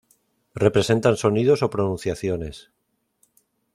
Representan sonidos o pronunciaciones.